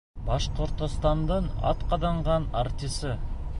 Башҡортостандың атҡаҙанған артисы: